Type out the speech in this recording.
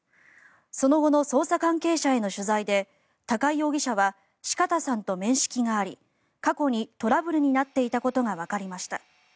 その後の捜査関係者への取材で高井容疑者は四方さんと面識があり過去にトラブルになっていたことがわかりました。